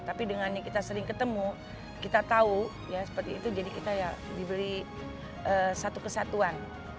tapi dengan yang kita sering ketemu kita tahu ya seperti itu jadi kita ya diberi satu kesatuan